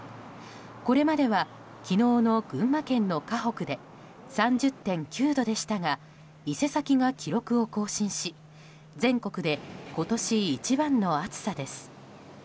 これまでは昨日の群馬県の鹿北で３０．９度でしたが伊勢崎が記録を更新し全国で今年一番の暑さです。